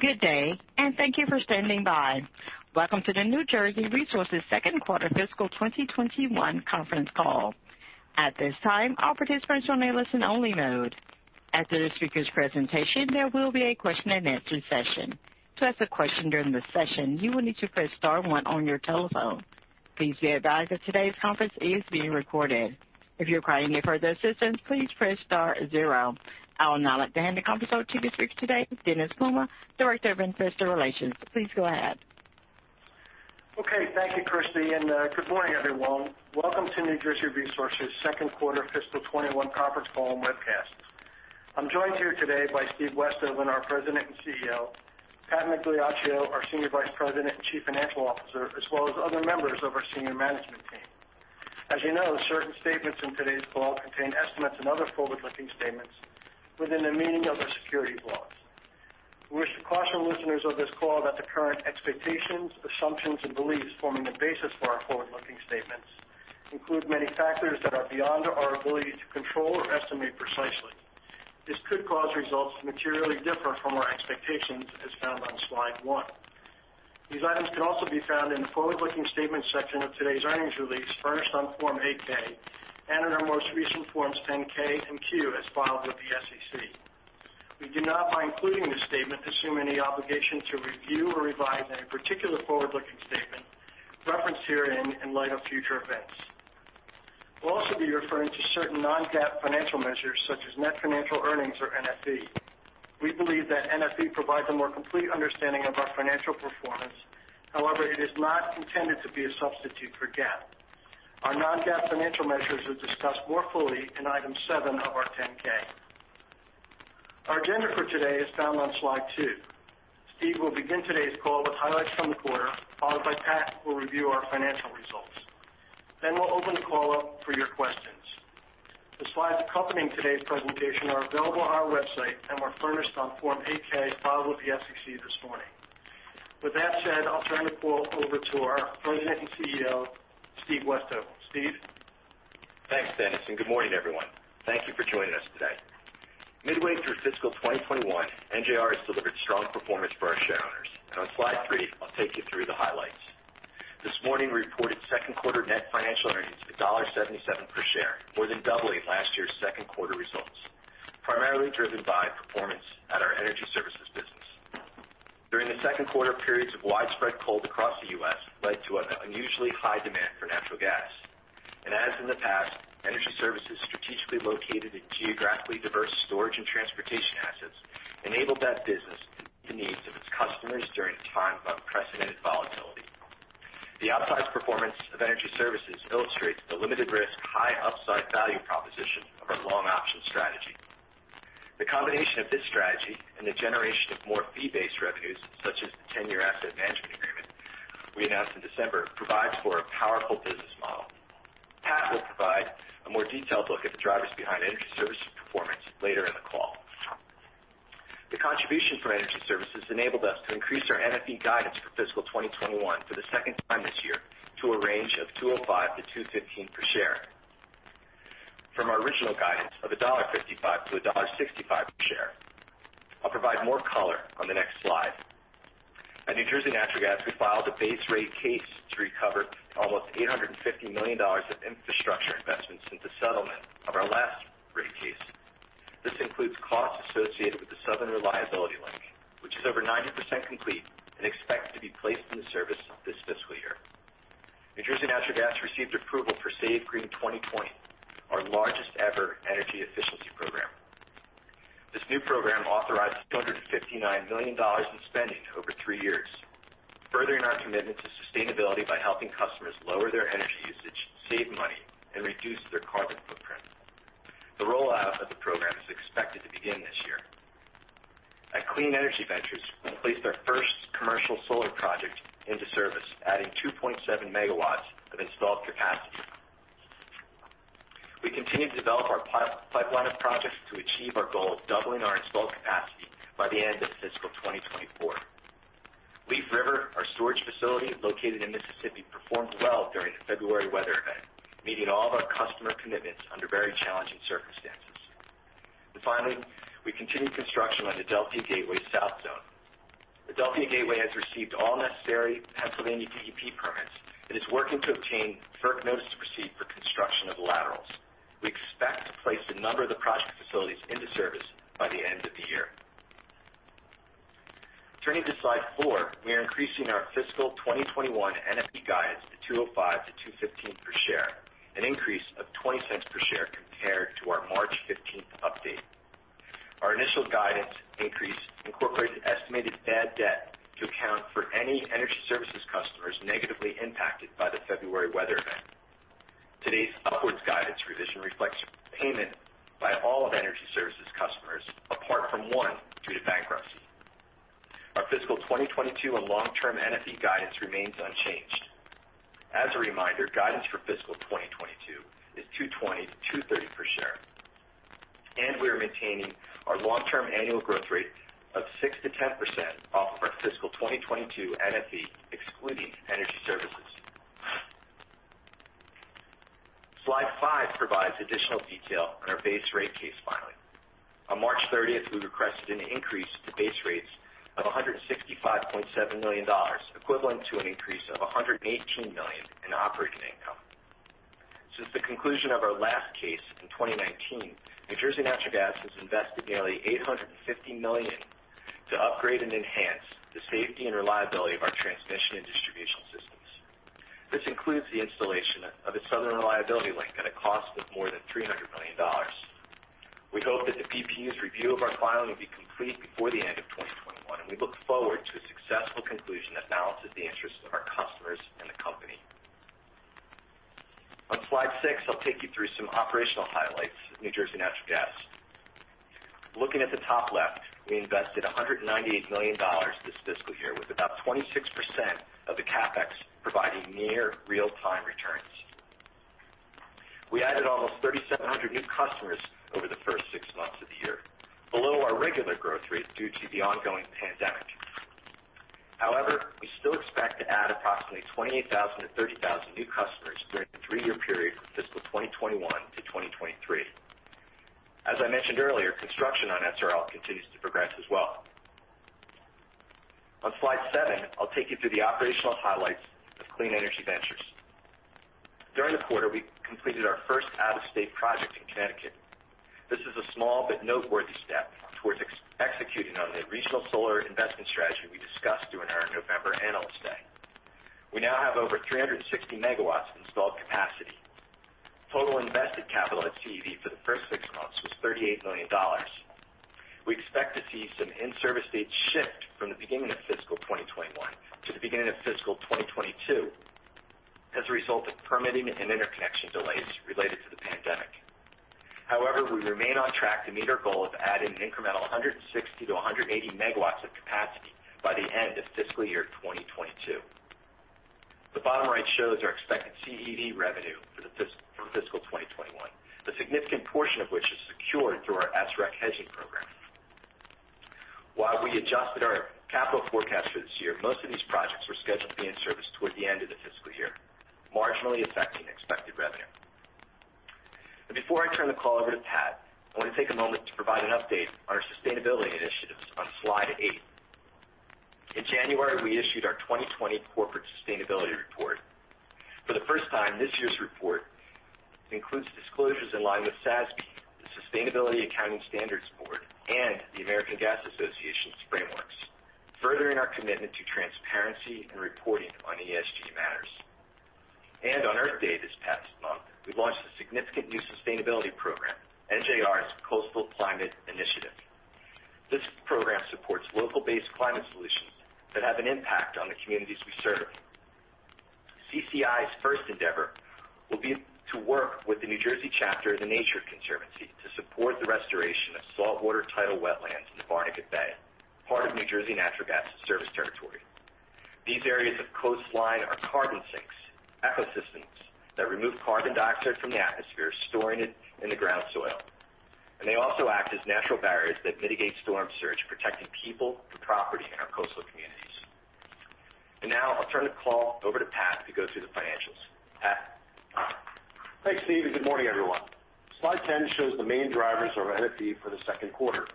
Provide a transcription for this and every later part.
Good day, and thank you for standing by. Welcome to the New Jersey Resources second quarter fiscal 2021 conference call. At this time, all participants will be in listen only mode. After the speaker's presentation, there will be a question and answer session. To ask a question during the session, you will need to press star one on your telephone. Please be advised that today's conference is being recorded. If you're requiring any further assistance, please press star zero. I would now like to hand the conference over to the speaker today, Dennis Puma, Director of Investor Relations. Please go ahead. Okay. Thank you, Christie, and good morning, everyone. Welcome to New Jersey Resources' second quarter fiscal 2021 conference call and webcast. I'm joined here today by Steve Westhoven, our President and CEO, Pat Migliaccio, our Senior Vice President and Chief Financial Officer, as well as other members of our senior management team. As you know, certain statements in today's call contain estimates and other forward-looking statements within the meaning of the securities laws. We wish to caution listeners of this call that the current expectations, assumptions, and beliefs forming the basis for our forward-looking statements include many factors that are beyond our ability to control or estimate precisely. This could cause results to materially differ from our expectations, as found on slide one. These items can also be found in the forward-looking statements section of today's earnings release, furnished on Form 8-K, and in our most recent Forms 10-K and Q, as filed with the SEC. We do not, by including this statement, assume any obligation to review or revise any particular forward-looking statement referenced herein in light of future events. We'll also be referring to certain non-GAAP financial measures, such as net financial earnings, or NFE. We believe that NFE provides a more complete understanding of our financial performance. It is not intended to be a substitute for GAAP. Our non-GAAP financial measures are discussed more fully in item seven of our 10-K. Our agenda for today is found on slide two. Steve will begin today's call with highlights from the quarter, followed by Pat, who will review our financial results. We'll open the call up for your questions. The slides accompanying today's presentation are available on our website and were furnished on Form 8-K filed with the SEC this morning. With that said, I'll turn the call over to our President and CEO, Steve Westhoven. Steve? Thanks, Dennis, good morning, everyone. Thank you for joining us today. Midway through fiscal 2021, NJR has delivered strong performance for our shareholders. On slide three, I'll take you through the highlights. This morning, we reported second quarter net financial earnings of $1.77 per share, more than doubling last year's second quarter results, primarily driven by performance at our NJR Energy Services business. During the second quarter, periods of widespread cold across the U.S. led to an unusually high demand for natural gas. As in the past, NJR Energy Services strategically located in geographically diverse storage and transportation assets enabled that business to meet the needs of its customers during a time of unprecedented volatility. The outsized performance of NJR Energy Services illustrates the limited risk, high upside value proposition of our long option strategy. The combination of this strategy and the generation of more fee-based revenues, such as the 10-year asset management agreement we announced in December, provides for a powerful business model. Pat will provide a more detailed look at the drivers behind NJR Energy Services performance later in the call. The contribution from NJR Energy Services enabled us to increase our NFE guidance for fiscal 2021 for the second time this year to a range of $2.05-$2.15 per share from our original guidance of $1.55-$1.65 per share. I'll provide more color on the next slide. At New Jersey Natural Gas, we filed a base rate case to recover almost $850 million of infrastructure investments since the settlement of our last rate case. This includes costs associated with the Southern Reliability Link, which is over 90% complete and expected to be placed into service this fiscal year. New Jersey Natural Gas received approval for SAVEGREEN 2020, our largest ever energy efficiency program. This new program authorized $259 million in spending over three years, furthering our commitment to sustainability by helping customers lower their energy usage, save money, and reduce their carbon footprint. The rollout of the program is expected to begin this year. At Clean Energy Ventures, we placed our first commercial solar project into service, adding 2.7 MW of installed capacity. We continue to develop our pipeline of projects to achieve our goal of doubling our installed capacity by the end of fiscal 2024. Leaf River, our storage facility located in Mississippi, performed well during the February weather event, meeting all of our customer commitments under very challenging circumstances. Finally, we continued construction on the Adelphia Gateway South Zone. Adelphia Gateway has received all necessary Pennsylvania DEP permits and is working to obtain FERC notice to proceed for construction of laterals. We expect to place a number of the project facilities into service by the end of the year. Turning to slide four, we are increasing our fiscal 2021 NFE guidance to $2.05-$2.15 per share, an increase of $0.20 per share compared to our March 15th update. Our initial guidance increase incorporated estimated bad debt to account for any Energy Services customers negatively impacted by the February weather event. Today's upwards guidance revision reflects payment by all of Energy Services customers, apart from one, due to bankruptcy. Our fiscal 2022 and long-term NFE guidance remains unchanged. As a reminder, guidance for fiscal 2022 is $2.20-$2.30 per share, and we are maintaining our long-term annual growth rate of 6%-10% off of our fiscal 2022 NFE, excluding Energy Services. Slide five provides additional detail on our base rate case filing. On March 30th, we requested an increase to base rates of $165.7 million, equivalent to an increase of $118 million in operating income. Since the conclusion of our last case in 2019, New Jersey Natural Gas has invested nearly $850 million to upgrade and enhance the safety and reliability of our transmission and distribution systems. This includes the installation of a Southern Reliability Link at a cost of more than $300 million. We hope that the BPU's review of our filing will be complete before the end of 2021, and we look forward to a successful conclusion that balances the interests of our customers and the company. On slide six, I'll take you through some operational highlights of New Jersey Natural Gas. Looking at the top left, we invested $198 million this fiscal year with about 26% of the CapEx providing near real-time returns. We added almost 3,700 new customers over the first six months of the year, below our regular growth rate due to the ongoing pandemic. However, we still expect to add approximately 28,000-30,000 new customers during the three-year period from fiscal 2021-2023. As I mentioned earlier, construction on SRL continues to progress as well. On slide seven, I'll take you through the operational highlights of Clean Energy Ventures. During the quarter, we completed our first out-of-state project in Connecticut. This is a small but noteworthy step towards executing on the regional solar investment strategy we discussed during our November Analyst Day. We now have over 360 MW of installed capacity. Total invested capital at CEV for the first six months was $38 million. We expect to see some in-service dates shift from the beginning of fiscal 2021 to the beginning of fiscal 2022 as a result of permitting and interconnection delays related to the pandemic. However, we remain on track to meet our goal of adding an incremental 160-180 MW of capacity by the end of fiscal year 2022. The bottom right shows our expected CEV revenue for fiscal 2021, the significant portion of which is secured through our SREC hedging program. While we adjusted our capital forecast for this year, most of these projects were scheduled to be in service toward the end of the fiscal year, marginally affecting expected revenue. Before I turn the call over to Pat, I want to take a moment to provide an update on our sustainability initiatives on slide eight. In January, we issued our 2020 corporate sustainability report. For the first time, this year's report includes disclosures in line with SASB, the Sustainability Accounting Standards Board, and the American Gas Association's frameworks, furthering our commitment to transparency and reporting on ESG matters. On Earth Day this past month, we launched a significant new sustainability program, NJR's Coastal Climate Initiative. This program supports local-based climate solutions that have an impact on the communities we serve. CCI's first endeavor will be to work with the New Jersey chapter of The Nature Conservancy to support the restoration of saltwater tidal wetlands in the Barnegat Bay, part of New Jersey Natural Gas' service territory. These areas of coastline are carbon sinks, ecosystems that remove carbon dioxide from the atmosphere, storing it in the ground soil. They also act as natural barriers that mitigate storm surge, protecting people and property in our coastal communities. Now I'll turn the call over to Pat to go through the financials. Pat? Thanks, Steve. Good morning, everyone. Slide 10 shows the main drivers of our NFE for the second quarter.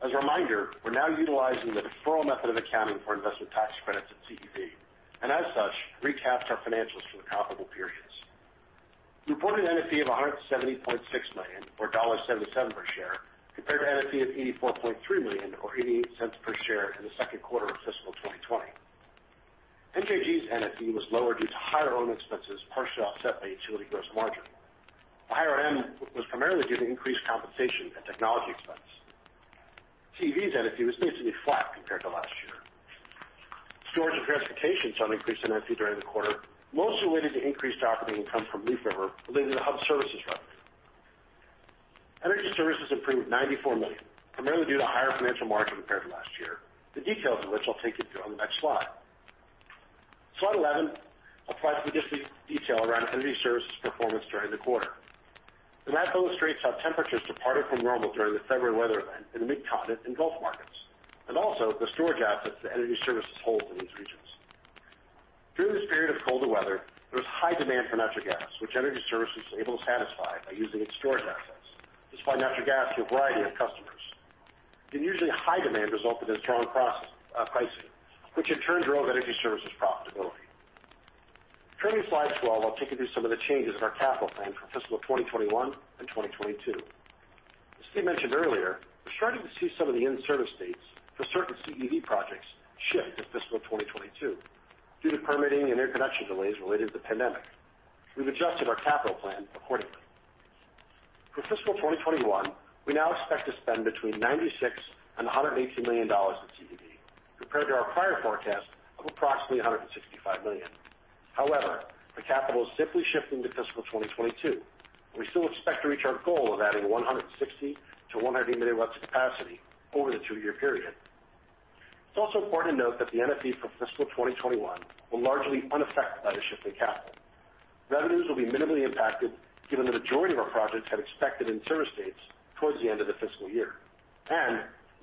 As a reminder, we're now utilizing the deferral method of accounting for investment tax credits at CEV. As such, recapped our financials for the comparable periods. Reported NFE of $170.6 million, or $1.77 per share, compared to NFE of $84.3 million, or $0.88 per share in the second quarter of fiscal 2020. NJNG's NFE was lower due to higher O&M expenses, partially offset by utility gross margin. The higher O&M was primarily due to increased compensation and technology expense. CEV's NFE was basically flat compared to last year. Storage and Transportation saw an increase in NFE during the quarter, mostly related to increased operating income from Leaf River related to the hub services revenue. Energy Services improved $94 million, primarily due to higher financial margin compared to last year, the details of which I'll take you through on the next slide. Slide 11 applies the discrete detail around Energy Services' performance during the quarter. The map illustrates how temperatures departed from normal during the February weather event in the mid-continent and Gulf markets, and also the storage assets that Energy Services holds in these regions. During this period of colder weather, there was high demand for natural gas, which Energy Services was able to satisfy by using its storage assets to supply natural gas to a variety of customers. The unusually high demand resulted in strong pricing, which in turn drove Energy Services profitability. Turning to Slide 12, I'll take you through some of the changes in our capital plan for fiscal 2021 and 2022. As Steve mentioned earlier, we're starting to see some of the in-service dates for certain CEV projects shift to fiscal 2022 due to permitting and interconnection delays related to the pandemic. We've adjusted our capital plan accordingly. For fiscal 2021, we now expect to spend between $96 and $118 million in CEV, compared to our prior forecast of approximately $165 million. The capital is simply shifting to fiscal 2022. We still expect to reach our goal of adding 160-180 MW of capacity over the two-year period. It's also important to note that the NFEs for fiscal 2021 will largely be unaffected by the shift in capital. Revenues will be minimally impacted given our projects have expected in-service dates towards the end of the fiscal year.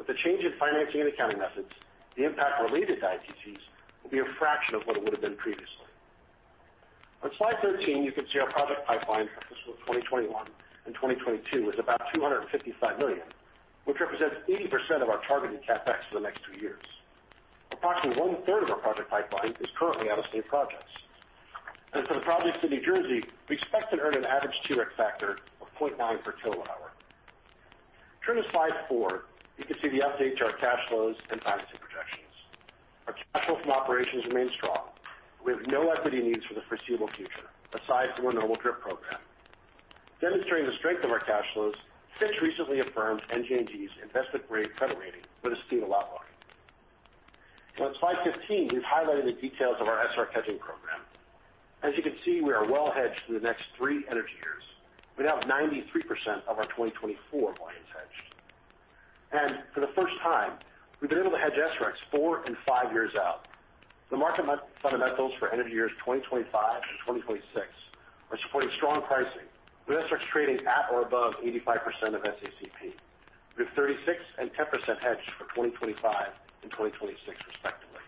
With the change in financing and accounting methods, the impact related to ITCs will be a fraction of what it would have been previously. On slide 13, you can see our project pipeline for fiscal 2021 and 2022 is about $255 million, which represents 80% of our targeted CapEx for the next two years. Approximately one-third of our project pipeline is currently out-of-state projects. For the projects in New Jersey, we expect to earn an average TREC factor of 0.9 per kWh. Turning to slide four, you can see the update to our cash flows and financing projections. Our cash flow from operations remains strong. We have no equity needs for the foreseeable future, aside from a normal DRIP program. Demonstrating the strength of our cash flows, Fitch recently affirmed NJNG's investment-grade credit rating with a stable outlook. On slide 15, we've highlighted the details of our SREC hedging program. As you can see, we are well-hedged through the next three energy years. We now have 93% of our 2024 volumes hedged. For the first time, we've been able to hedge SRECs four and five years out. The market fundamentals for energy years 2025 and 2026 are supporting strong pricing, with SRECs trading at or above 85% of SACP. We have 36% and 10% hedged for 2025 and 2026 respectively.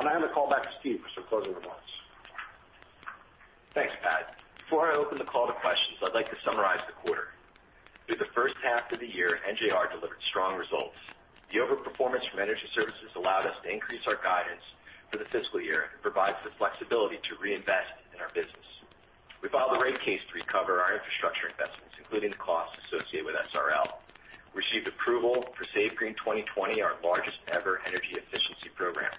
I'll now hand the call back to Steve for some closing remarks. Thanks, Pat. Before I open the call to questions, I'd like to summarize the quarter. Through the first half of the year, NJR delivered strong results. The over-performance from energy services allowed us to increase our guidance for the fiscal year and provides the flexibility to reinvest in our business. We filed a rate case to recover our infrastructure investments, including the costs associated with SRL. We received approval for SAVEGREEN 2020, our largest-ever energy efficiency program.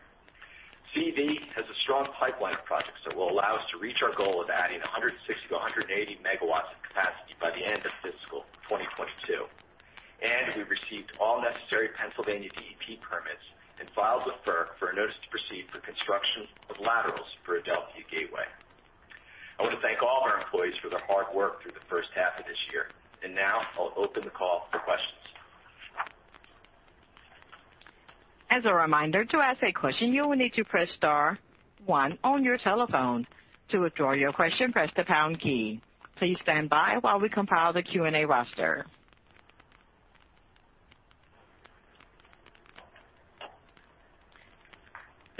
CEV has a strong pipeline of projects that will allow us to reach our goal of adding 160-180 MW of capacity by the end of fiscal 2022. We received all necessary Pennsylvania DEP permits and filed with FERC for a notice to proceed for construction of laterals for Adelphia Gateway. I want to thank all of our employees for their hard work through the first half of this year. Now I'll open the call for questions. The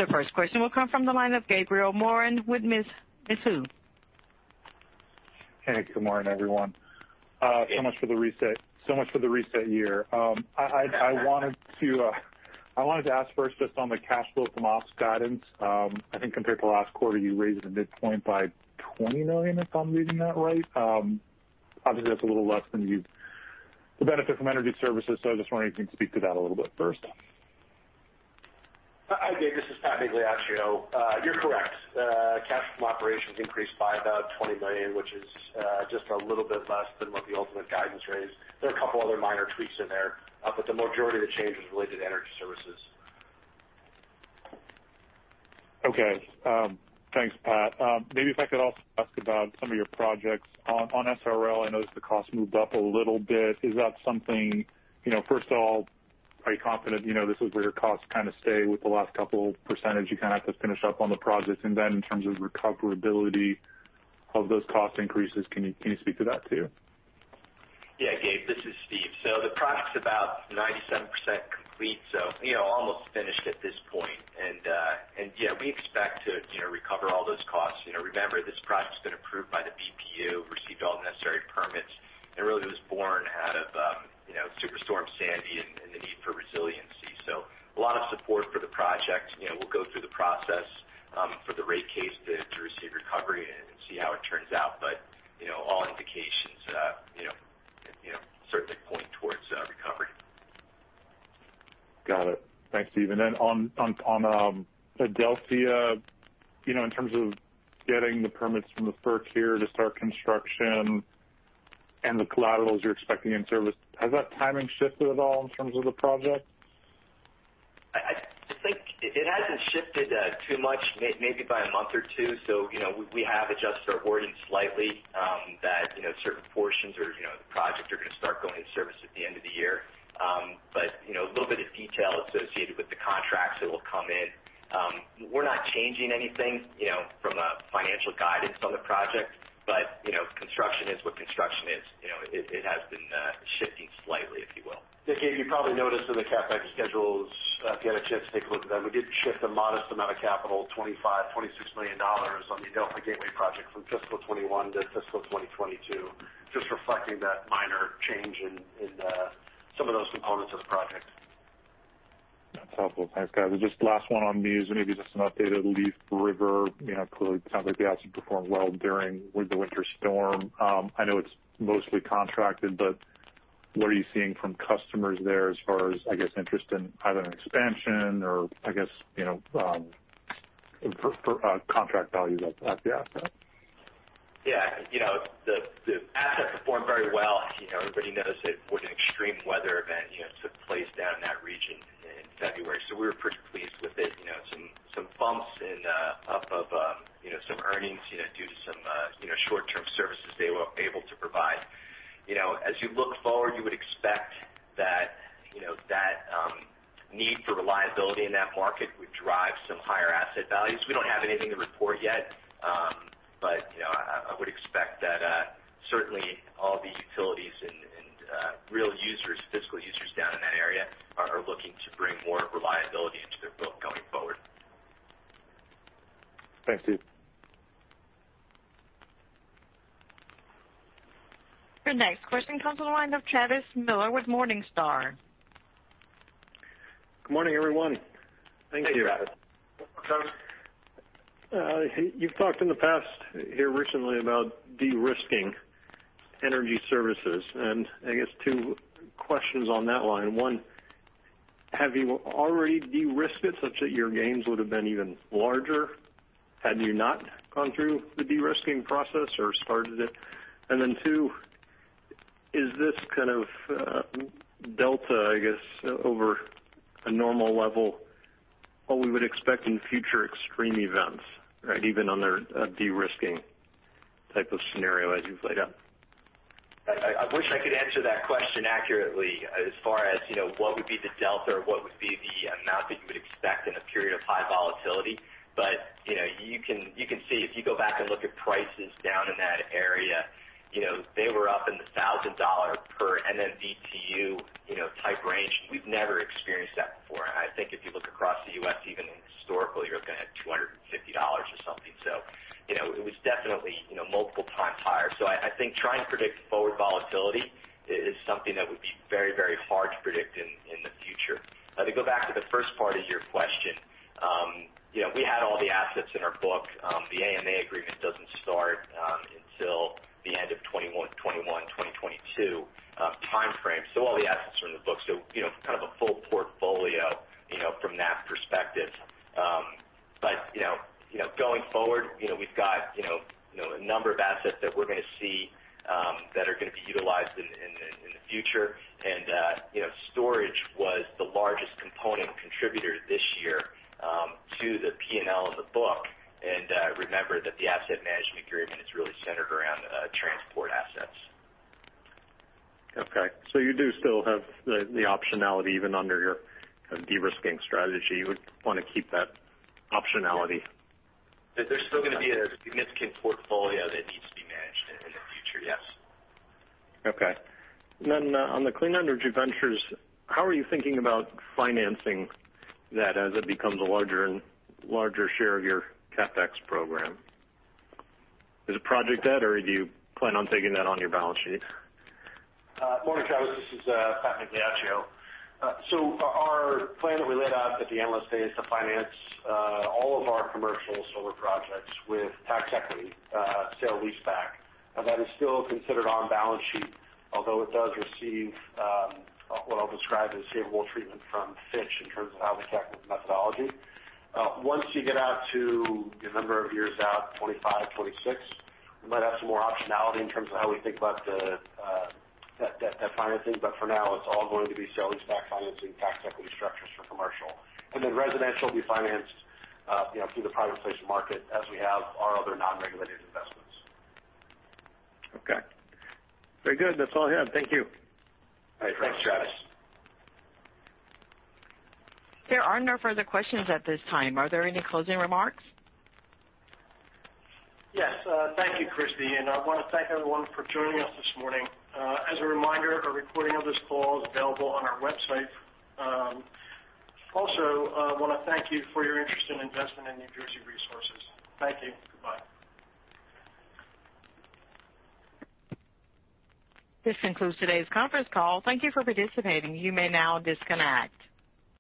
first question will come from the line of Gabriel Moreen with Mizuho. Hey, good morning, everyone. So much for the reset year. I wanted to ask first just on the cash flow from ops guidance. I think compared to last quarter, you raised the midpoint by $20 million, if I'm reading that right. Obviously, that's a little less than you'd benefit from Energy Services. I just wondered if you can speak to that a little bit first. Hi, Gabe. This is Pat Migliaccio. You're correct. Cash from operations increased by about $20 million, which is just a little bit less than what the ultimate guidance raised. There are a couple other minor tweaks in there, but the majority of the change is related to Energy Services. Okay. Thanks, Pat. Maybe if I could also ask about some of your projects. On SRL, I noticed the cost moved up a little bit. First of all, are you confident this is where your costs kind of stay with the last couple percentage you kind of have to finish up on the project? In terms of recoverability of those cost increases, can you speak to that too? Yeah, Gabe, this is Steve. The project's about 97% complete, so almost finished at this point. Yeah, we expect to recover all those costs. Remember, this project's been approved by the BPU, received all the necessary permits, and really was born out of Superstorm Sandy and the need for resiliency. A lot of support for the project. We'll go through the process for the rate case to receive recovery and see how it turns out. All indications certainly point towards recovery. Got it. Thanks, Steve. Then on Adelphia, in terms of getting the permits from the FERC here to start construction and the collaterals you're expecting in service, has that timing shifted at all in terms of the project? I think it hasn't shifted too much, maybe by a month or two. We have adjusted our wording slightly, that certain portions or the project are going to start going into service at the end of the year. A little bit of detail associated with the contracts that will come in. We're not changing anything from a financial guidance on the project. Construction is what construction is. It has been shifting slightly, if you will. Yeah, Gabe, you probably noticed in the CapEx schedules, if you had a chance to take a look at them, we did shift a modest amount of capital, $25 million-$26 million on the Adelphia Gateway project from fiscal 2021-fiscal 2022, just reflecting that minor change in some of those components of the project. That's helpful. Thanks, guys. Just last one on these, maybe just an update on Leaf River. Clearly it sounds like the asset performed well during the winter storm. I know it's mostly contracted, what are you seeing from customers there as far as, I guess, interest in either an expansion or, I guess, contract value at the asset? Yeah. The asset performed very well. Everybody knows it with an extreme weather event took place down in that region in February, so we were pretty pleased with it. Some bumps up of some earnings due to some short-term services they were able to provide. As you look forward, you would expect that need for reliability in that market would drive some higher asset values. We don't have anything to report yet, but I would expect that certainly all the utilities and real users, physical users down in that area are looking to bring more reliability into their book going forward. Thanks, Steve. Your next question comes on the line of Travis Miller with Morningstar. Good morning, everyone. Thank you. Hey, Travis. You've talked in the past here recently about de-risking Energy Services. I guess two questions on that line. One, have you already de-risked it such that your gains would have been even larger had you not gone through the de-risking process or started it? Two, is this kind of delta, I guess, over a normal level, what we would expect in future extreme events, even under a de-risking type of scenario as you've laid out? I wish I could answer that question accurately as far as what would be the delta or what would be the amount that you would expect in a period of high volatility. You can see if you go back and look at prices down in that area, they were up in the $1,000 per MMBtu type range. We've never experienced that before. I think if you look across the U.S., even historically, you're looking at $250 or something. It was definitely multiple times higher. I think trying to predict forward volatility is something that would be very hard to predict in the future. To go back to the first part of your question. We had all the assets in our book. The AMA agreement doesn't start until the end of 2021, 2022 timeframe. All the assets are in the book, so kind of a full portfolio from that perspective. Going forward, we've got a number of assets that we're going to see that are going to be utilized in the future. Storage was the largest component contributor this year to the P&L of the book. Remember that the asset management agreement is really centered around transport assets. Okay, you do still have the optionality even under your de-risking strategy. You would want to keep that optionality. There's still going to be a significant portfolio that needs to be managed in the future, yes. Okay. Then on the Clean Energy Ventures, how are you thinking about financing that as it becomes a larger share of your CapEx program? Is it project debt, or do you plan on taking that on your balance sheet? Morning, Travis. This is Pat Migliaccio. Our plan that we laid out at the Analyst Day is to finance all of our commercial solar projects with tax equity, sale leaseback. That is still considered on-balance sheet, although it does receive what I'll describe as favorable treatment from Fitch in terms of how we track with the methodology. Once you get out to a number of years out, 25, 26, we might have some more optionality in terms of how we think about that financing. For now, it's all going to be sale leaseback financing, tax equity structures for commercial. Residential will be financed through the private placement market as we have our other non-regulated investments. Okay. Very good. That's all I have. Thank you. Thanks, Travis. There are no further questions at this time. Are there any closing remarks? Yes. Thank you, Christie. I want to thank everyone for joining us this morning. As a reminder, a recording of this call is available on our website. I want to thank you for your interest and investment in New Jersey Resources. Thank you. Goodbye. This concludes today's conference call. Thank you for participating. You may now disconnect.